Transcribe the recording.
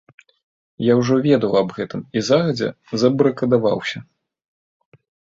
Я ўжо ведаў аб гэтым і загадзя забарыкадаваўся.